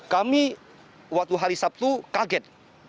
kami waktu hari sabtu kaget